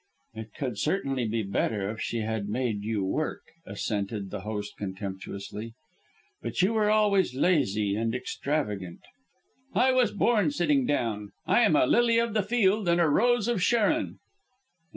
"It would certainly be better if she had made you work," assented the host contemptuously; "but you were always lazy and extravagant." "I was born sitting down; I am a lily of the field and a rose of Sharon."